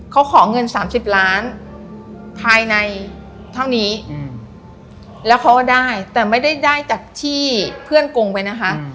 เขาขอเงิน๓๐ล้านภายในเท่านี้แล้วเขาก็ได้แต่ไม่ได้ได้จากที่เพื่อนโกงไว้นะคะ